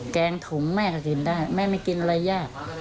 แกงถุงแม่ก็กินได้แม่ไม่กินอะไรยาก